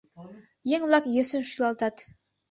Еҥ-влак йӧсын шӱлалтат.